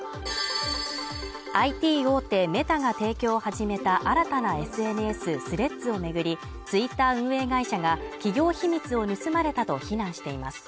ＩＴ大手メタが提供を始めた新たなＳＮＳＴｈｒｅａｄｓを巡り、Ｔｗｉｔｔｅｒ運営会社が企業秘密を盗まれたと非難しています。